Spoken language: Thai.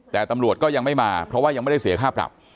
แต่ตำรวจก็ยังไม่มาเพราะว่ายังไม่ได้เสียค่าปรับ